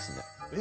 え？